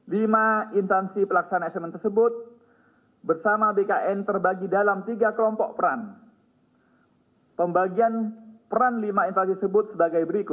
lima insansi pelaksanaan asesmen tersebut bersama bkn terkait guna mempersiapkan asesmen yang dilaksanakan untuk mengases pegawai kpk